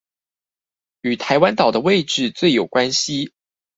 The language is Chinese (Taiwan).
與台灣島的位置最有關係